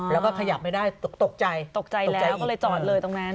แล้วก็ขยับไม่ได้ตกใจตกใจแล้วก็เลยจอดเลยตรงนั้น